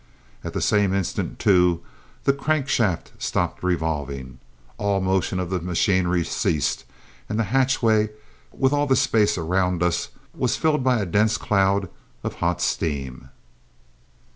At the same instant, too, the crank shaft stopped revolving, all motion of the machinery ceased, and the hatchway, with all the space around us, was filled by a dense cloud of hot steam!